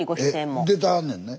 出てはんねんね？